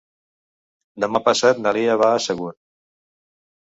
Demà passat na Lia va a Sagunt.